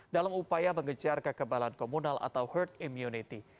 dalam upaya mengejar kekebalan komunal atau herd immunity